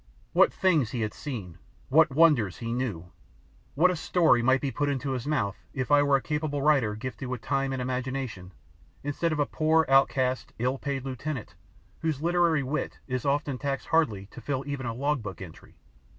What things he had seen, what wonders he knew! What a story might be put into his mouth if I were a capable writer gifted with time and imagination instead of a poor outcast, ill paid lieutenant whose literary wit is often taxed hardly to fill even a log book entry!